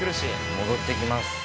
戻ってきます。